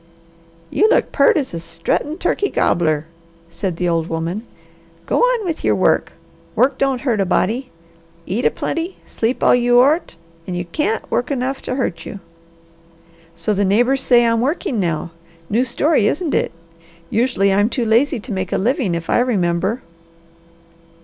"You look peart as a struttin' turkey gobbler," said the old woman. "Go on with your work! Work don't hurt a body. Eat a plenty, sleep all you ort, and you CAN'T work enough to hurt you." "So the neighbours say I'm working now? New story, isn't it? Usually I'm too lazy to make a living, if I remember."